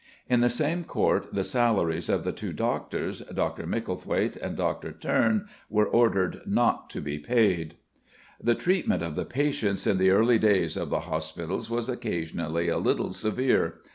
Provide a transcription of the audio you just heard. At the same Court the salaries of the two doctors, Dr. Micklethwaite and Dr. Tearne, were ordered not to be paid. The treatment of the patients in the early days of the hospitals was occasionally a little severe.